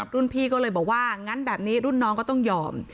รุ่นพี่ก็เลยบอกว่างั้นแบบนี้รุ่นน้องก็ต้องยอม